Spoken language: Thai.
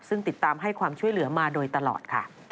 ซึ่งติดตามให้ความช่วยเหลือมาโดยตลอดค่ะ